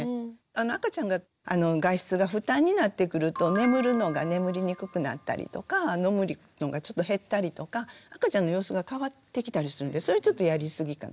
赤ちゃんが外出が負担になってくると眠るのが眠りにくくなったりとか飲むのがちょっと減ったりとか赤ちゃんの様子が変わってきたりするんでそれちょっとやりすぎかな。